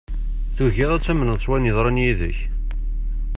Tugiḍ ad tamneḍ s wayen yeḍran yid-k.